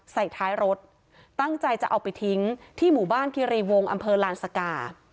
ใส่ท้ายรถตั้งใจจะเอาไปทิ้งที่หมู่บ้านคิรีวงอำเภอลานสกา